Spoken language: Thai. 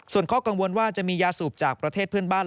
ส่วนข้อกังวลว่าจะมียาสูบจากประเทศเพื่อนบ้าน